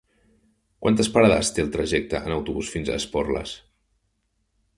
Quantes parades té el trajecte en autobús fins a Esporles?